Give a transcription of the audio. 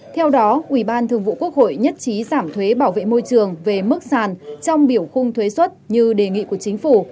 theo đó ủy ban thường vụ quốc hội nhất trí giảm thuế bảo vệ môi trường về mức sàn trong biểu khung thuế xuất như đề nghị của chính phủ